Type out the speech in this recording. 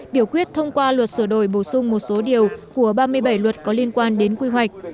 biểu quyết thông qua luật sửa đổi bổ sung một số điều của ba mươi bảy luật có liên quan đến quy hoạch